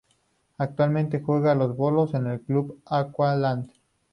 Actualmente juega a los bolos en un club en Auckland.